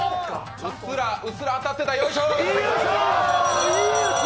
うっすら当たってた、よいしょー。